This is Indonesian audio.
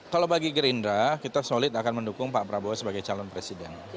kalau bagi gerindra kita solid akan mendukung pak prabowo sebagai calon presiden